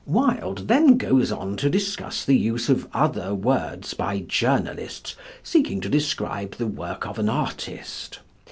Wilde then goes on to discuss the use of other words by journalists seeking to describe the work of an artist.